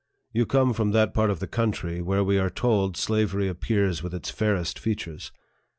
You come from that part of the country where we are told slavery appears with its fairest features.